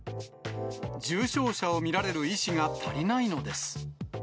重症者を診られる医師が足りないのです。